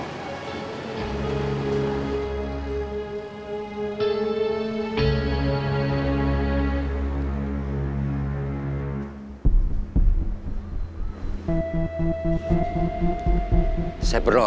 kayak kan seperti silap